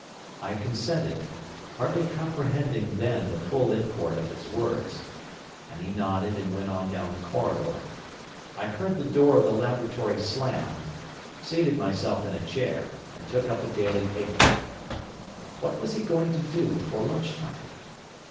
I consented, hardly comprehending then the full import of his words, and he nodded and went on down the corridor. I heard the door of the laboratory slam, seated myself in a chair, and took up a daily paper. What was he going to do before lunch time?